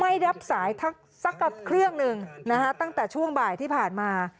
ไม่รับสายสักเครื่องหนึ่งนะฮะตั้งแต่ช่วงบ่ายที่ผ่านมา